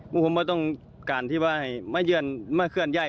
มุมผมก็ต้องการที่ว่าให้ไม่เยื่อนไม่เคลื่อนไย